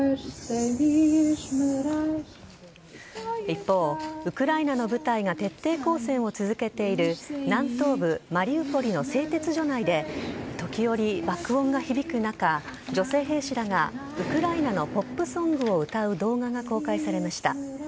一方、ウクライナの部隊が徹底抗戦を続けている南東部マリウポリの製鉄所内で時折、爆音が響く中女性兵士らがウクライナのポップソングを歌う動画が公開されました。